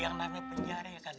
yang nanya penjara ya nggak ada